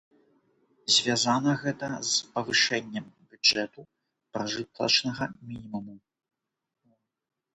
Звязана гэта з павышэннем бюджэту пражытачнага мінімуму.